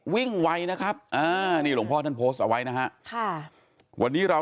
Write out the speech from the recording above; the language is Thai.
ไวนะครับนี่หลวงพ่อท่านโพสต์เอาไว้นะฮะค่ะวันนี้เรา